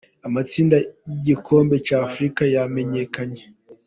Amatsinda yigikombe cya afurica yamenyekanye